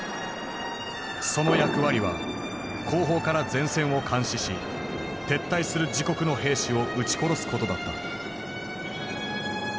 その役割は後方から前線を監視し撤退する自国の兵士を撃ち殺すことだった。